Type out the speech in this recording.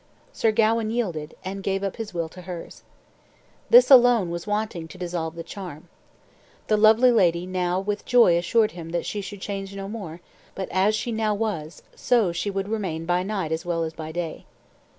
Sir Gawain yielded, and gave up his will to hers. This alone was wanting to dissolve the charm. The lovely lady now with joy assured him that she should change no more, but as she now was, so would she remain by night as well as by day.